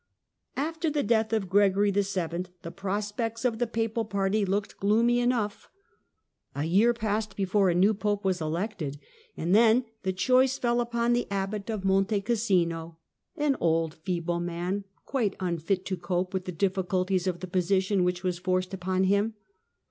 After the death of Gregory VII. the prospects of the papal party looked gloomy enough. A year passed before a new Pope was elected, and then the choice fell upon the Abbot of Monte Cassino, an old feeble man, quite unfit to cope with the difficulties of the position which was forced upon him.